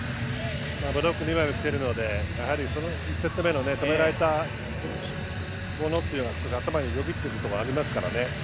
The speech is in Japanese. ブロック２枚来ているので１セット目の止められたものは少し頭をよぎっているところがありますからね。